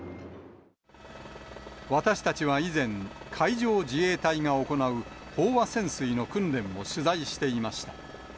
私たちは以前、海上自衛隊が行う飽和潜水の訓練を取材していました。